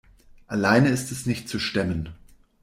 Alleine ist es nicht zu stemmen.